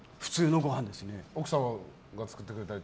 奥様が作ってくれたり？